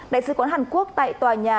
đại sứ quán hàn quốc tại tòa nhà